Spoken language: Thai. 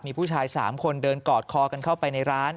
มีผู้ชาย๓คนเดินกอดคอกันเข้าไปในร้าน